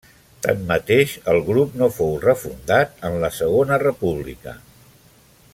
Tanmateix, el grup no fou refundat en la Segona República.